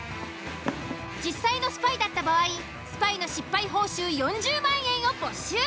実際のスパイだった場合スパイの失敗報酬４０万円を没収。